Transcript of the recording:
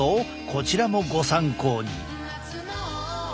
こちらもご参考に。